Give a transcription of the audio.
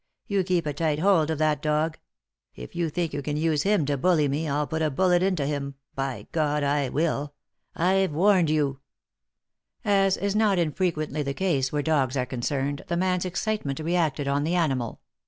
You keep a tight hold of that dog I If you think you can use him to bully me, I'll put a bullet into him, by God I will 1 I've warned you I " As is not infrequently the case where dogs are con cerned, the man's excitement reacted on the animal.